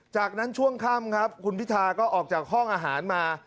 จากนั้นช่วงค่ำครับคุณพิธาก็ออกจากห้องอาหารมา